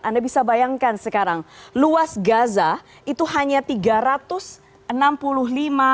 anda bisa bayangkan sekarang luas gaza itu hanya tiga ratus enam puluh lima persen